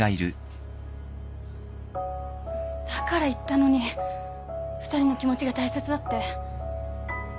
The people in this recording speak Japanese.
だから言ったのに２人の気持ちが大切だって。